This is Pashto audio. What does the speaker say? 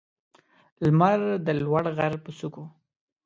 لمر د لوړ غر پر څوکو